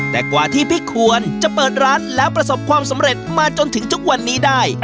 แต่กว่าที่พี่ควรจะเปิดร้านแล้วประสบความสำเร็จมาจนถึงทุกวันนี้ได้